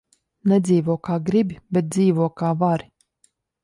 Nedzīvo, kā gribi, bet dzīvo, kā vari.